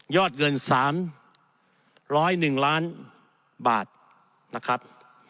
อดเงิน๓๐๑ล้านบาทนะครับ